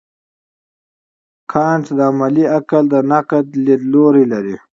کانټ د عملي عقل د نقد لیدلوری لري.